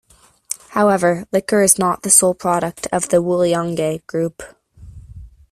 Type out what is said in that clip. However, liquor is not the sole product of the WuLiangye Group.